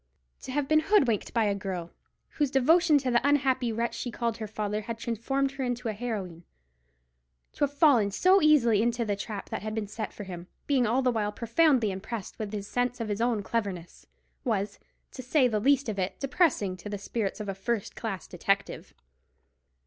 To have been hoodwinked by a girl, whose devotion to the unhappy wretch she called her father had transformed her into a heroine—to have fallen so easily into the trap that had been set for him, being all the while profoundly impressed with the sense of his own cleverness—was, to say the least of it, depressing to the spirits of a first class detective.